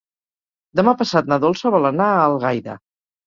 Demà passat na Dolça vol anar a Algaida.